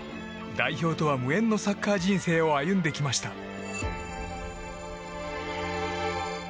代表とは無縁のサッカー人生を歩んできました。